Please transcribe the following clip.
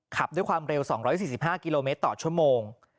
ขับด้วยความเร็ว๒๔๕กิโลเมตรต่อชั่วโมง